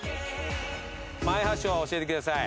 ｍｙ箸を教えてください。